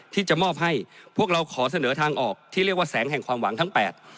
ที่จะมอบให้พวกเราขอเสนอทางออกที่เรียกว่าแสงแห่งความหวังทั้งแปด